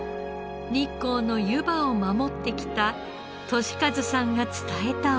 日光のゆばを守ってきた敏一さんが伝えた思い。